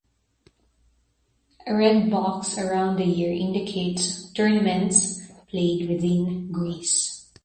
"A red box around the year indicates tournaments played within Greece"